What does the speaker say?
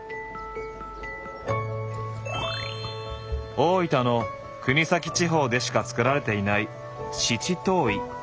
大分の国東地方でしか作られていない七島藺。